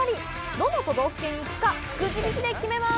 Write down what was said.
どの都道府県に行くかくじ引きで決めます！